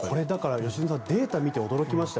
良純さんデータを見て驚きました